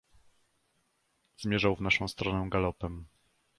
"Zmierzał w naszą stronę galopem."